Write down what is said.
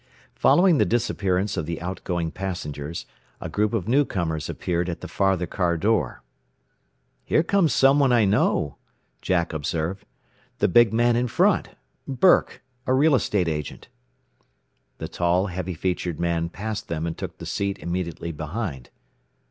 Following the disappearance of the out going passengers, a group of newcomers appeared at the farther car door. "Here comes someone I know," Jack observed. "The big man in front Burke, a real estate agent." The tall, heavy featured man passed them and took the seat immediately behind.